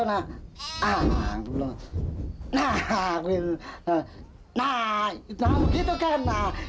nah begitu kan